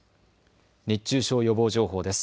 熱中症予防情報です。